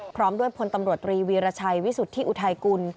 พร้อมด้วยพลตำรวจตรีวีรชัยวิสุทธิอุทัยกุล